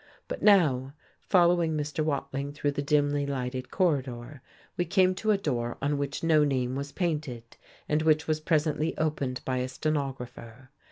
But now, following Mr. Watling through the dimly lighted corridor, we came to a door on which no name was painted, and which was presently opened by a stenographer.